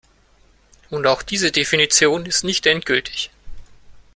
Und auch diese Definition ist nicht endgültig.